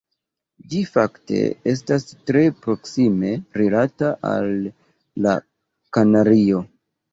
Ĝi fakte estas tre proksime rilata al la Kanario.